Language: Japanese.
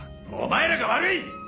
お前らが悪い！